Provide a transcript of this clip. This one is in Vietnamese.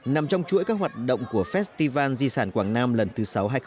nằm trong chuỗi các hoạt động của festival di sản quảng nam lần thứ sáu hai nghìn một mươi chín